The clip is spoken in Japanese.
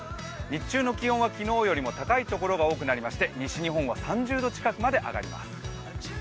日中の気温は昨日よりも高いところが多くなりまして西日本は３０度近くまで上がります。